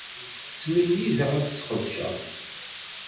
Ttmeyyizeɣ ad t-ssqedceɣ.